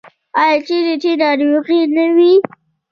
آیا چیرې چې ناروغي نه وي؟